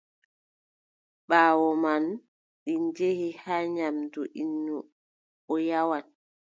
Ɓaawo man, ɗi njehi haa nyaamdu innu, o nyawan.